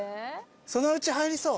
そのうち入りそう。